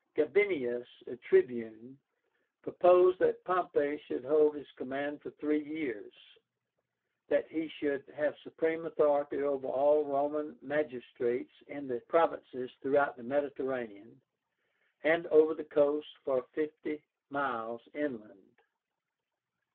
GABINIUS, a Tribune, proposed that Pompey should hold his command for three years; that he should have supreme authority over all Roman magistrates in the provinces throughout the Mediterranean, and over the coasts for fifty miles inland.